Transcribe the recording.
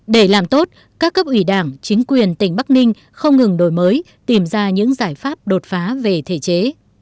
để làm tốt các cấp ủy đảng chính quyền tỉnh bắc ninh không ngừng đổi mới tìm ra những giải pháp đột phá về thể chế